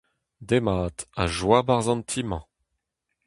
Demat ha joa e-barzh an ti-mañ.